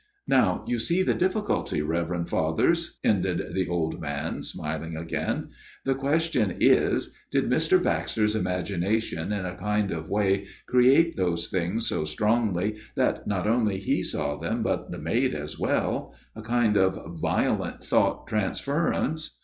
" Now you see the difficulty, Reverend Fathers," ended the old man, smiling again. " The ques tion is, did Mr. Baxter's imagination in a kind of way create those things so strongly that not only he saw them, but the maid as well a kind of violent thought transference